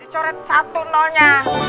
dicoret satu nolnya